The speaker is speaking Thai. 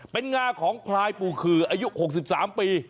เป็นงาของพลายปู่ขืออายุ๖๓ปี